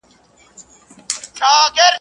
د کونړ په سیند کي پورته یکه زار د جاله وان کې.